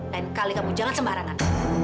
lain kali kamu jangan sembarangan